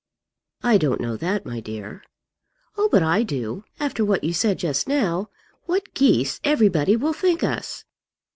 "I don't know that, my dear." "Oh, but I do after what you said just now. What geese everybody will think us!"